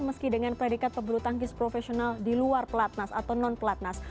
meski dengan predikat pebulu tangkis profesional di luar pelatnas atau non pelatnas